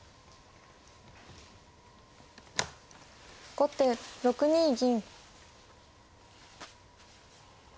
後手６二銀。